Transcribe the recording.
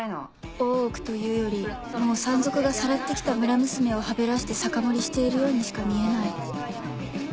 大奥というよりもう山賊がさらって来た村娘をはべらして酒盛りしているようにしか見えない